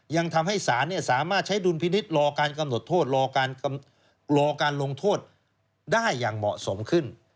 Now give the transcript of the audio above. ยังทำให้สารสามารถใช้ดุลพินิษฐ์รอการกำหนดโทษรอการลงโทษได้อย่างเหมาะสมขึ้น